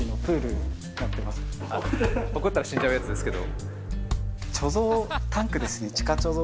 落っこったら死んじゃうやつですけど。